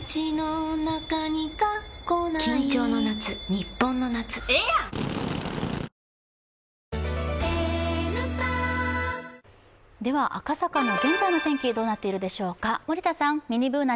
ニトリ赤坂の現在の天気どうなっているでしょうか。